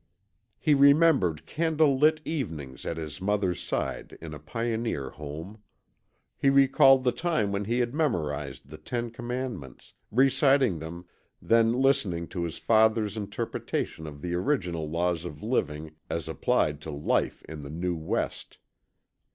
He remembered candle lit evenings at his mother's side in a pioneer home. He recalled the time when he had memorized the Ten Commandments, reciting them, then listening to his father's interpretation of the original laws of living as applied to life in the new West.